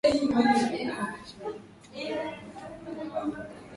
na kushauri tu bila haki ya kupiga kura